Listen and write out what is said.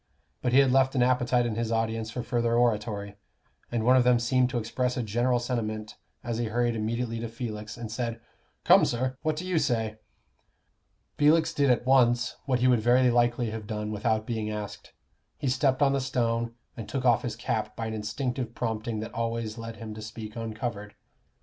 But he had left an appetite in his audience for further oratory, and one of them seemed to express a general sentiment as he hurried immediately to Felix, and said, "Come, sir, what do you say?" Felix did at once what he would very likely have done without being asked he stepped on the stone, and took off his cap by an instinctive prompting that always led him to speak uncovered.